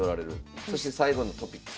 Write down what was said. そして最後のトピックス